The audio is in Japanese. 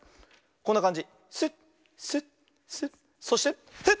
こんなかんじ。